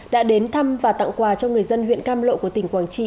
đã đến thăm và tặng quà cho người dân huyện cam lộ của tỉnh quảng trị